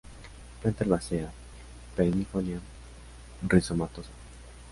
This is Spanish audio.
Planta herbácea, perennifolia, rizomatosa.